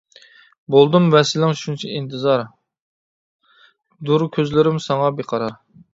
بولدۇم ۋەسلىڭ شۇنچە ئىنتىزار، دۇر كۆزلىرىم ساڭا بىقارار.